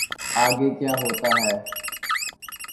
آگے کیا ہوتا ہے۔